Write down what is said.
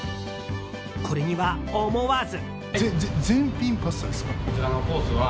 これには、思わず。